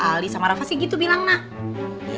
ali sama rafa sih gitu bilang nak